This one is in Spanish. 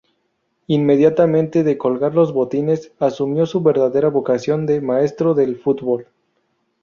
Inmediatamente de colgar los botines asumió su verdadera vocación de maestro del fútbol.